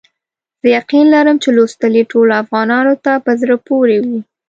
زه یقین لرم چې لوستل یې ټولو افغانانو ته په زړه پوري وي.